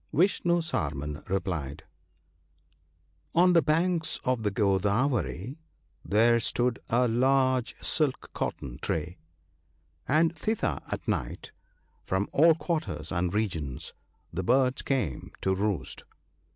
Vishnu Sarman re plied :— "On the banks of the Godavery there stood a large silk cotton tree ("), and thither at night, from all quarters and regions, the birds came to roost.